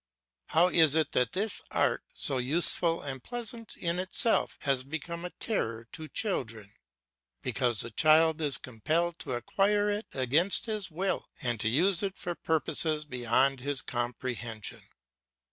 How is it that this art, so useful and pleasant in itself, has become a terror to children? Because the child is compelled to acquire it against his will, and to use it for purposes beyond his comprehension.